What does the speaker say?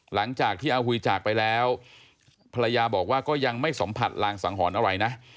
หลังจากที่อาหุยจากไปแล้วภรรยาบอกว่าก็ยังไม่สัมผัสลางสังหรณ์อะไรนะ